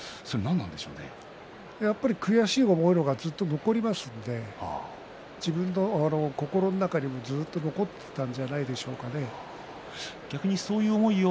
やっぱり悔しい思いの方がずっと残りますので自分の心の中にもずっと残って逆にそういう思いを